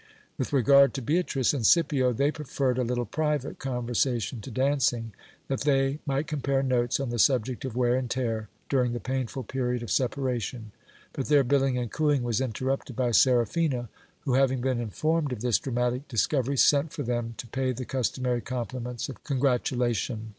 With regard to Beatrice and Scipio, they preferred a little private conversation to dancing, that they might compare notes on the subject of wear and tear during the painful period of separation : but their billing and cooing was interrupted by Sera phina, who, having been informed of this dramatic discovery, sent for them to pay the customary compliments of congratulation.